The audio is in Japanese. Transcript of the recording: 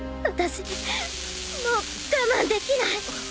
私もう我慢できない！